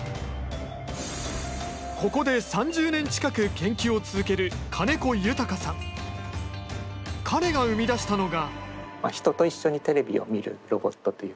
ここで３０年近く研究を続ける彼が生み出したのが。